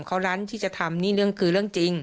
เขารั้นที่จะทำนี่เรื่องคือเรื่องจริง